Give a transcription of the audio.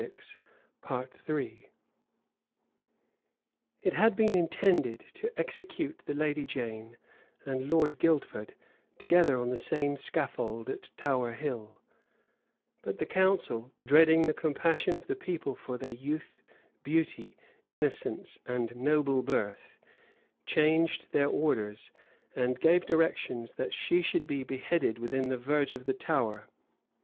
[*] It had been intended to execute the lady Jane and Lord Guildford together on the same scaffold at Tower Hill; but the council, dreading the compassion of the people for their youth, beauty, innocence, and noble birth, changed their orders, and gave directions that she should be beheaded within the verge of the Tower.